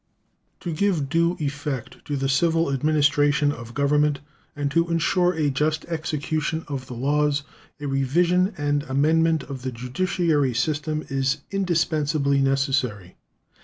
To give due effect to the civil administration of Government and to insure a just execution of the laws, a revision and amendment of the judiciary system is indispensably necessary.